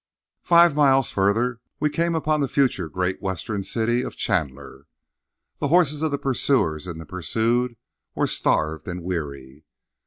Five miles farther, we came upon the future great Western city of Chandler. The horses of pursuers and pursued were starved and weary.